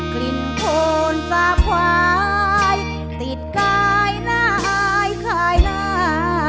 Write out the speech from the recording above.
กลิ่นโคนสาบควายติดกายนายคายหน้า